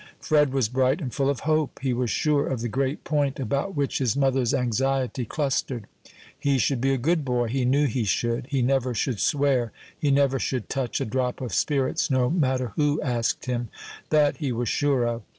Fred was bright and full of hope. He was sure of the great point about which his mother's anxiety clustered he should be a good boy, he knew he should; he never should swear; he never should touch a drop of spirits, no matter who asked him that he was sure of.